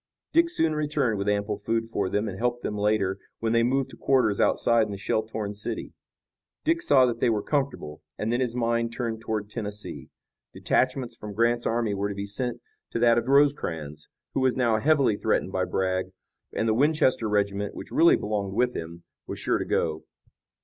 Dick soon returned with ample food for them and helped them later, when they moved to quarters outside in the shell torn city. Dick saw that they were comfortable, and then his mind turned toward Tennessee. Detachments from Grant's army were to be sent to that of Rosecrans, who was now heavily threatened by Bragg, and the Winchester regiment, which really belonged with him, was sure to go.